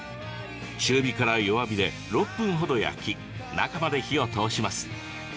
中火から弱火で６分程焼き中まで火を通します。